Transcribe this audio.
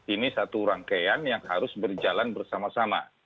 ini satu rangkaian yang harus berjalan bersama sama